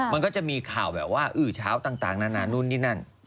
มันก็จะมีข่าวแบบว่าอื้อเช้าต่างนานานนู่นนี่นั่น